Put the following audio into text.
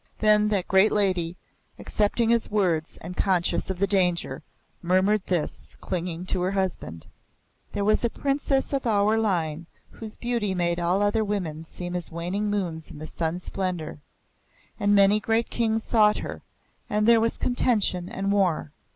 Then that great Lady, accepting his words, and conscious of the danger, murmured this, clinging to her husband: "There was a Princess of our line whose beauty made all other women seem as waning moons in the sun's splendour. And many great Kings sought her, and there was contention and war.